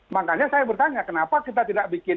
makanya saya bertanya kenapa kita tidak bikin